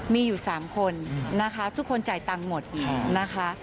มีอยู่๓คนนะคะทุกคนจ่ายตังค์หมดนะคะ